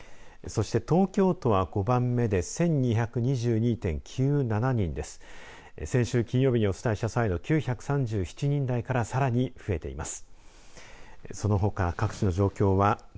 そして東京都は５番目で先週金曜日にお伝えした際の９３７人台からさらに増えています。